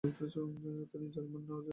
তিনি German, Norwegian এবং Puerto.